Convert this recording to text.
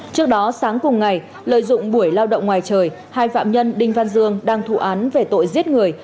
trước đó sáng cùng ngày lợi dụng buổi lao động ngoài trời hai phạm nhân đinh văn dương đang thụ án về tội giết người